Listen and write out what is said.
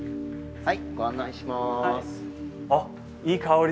はい。